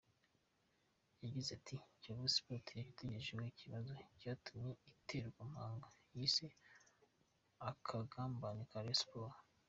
Yagize ati “Kiyovu Sports yatugejejeho ikibazo cyatumye iterwa mpaga yise akagambane ka Rayon Sports.